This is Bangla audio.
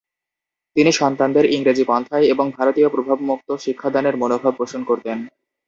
তিনি সন্তানদের ইংরেজি পন্থায় এবং ভারতীয় প্রভাবমুক্ত শিক্ষাদানের মনোভাব পোষণ করতেন।